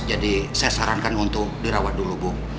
jadi saya sarankan untuk dirawat dulu bu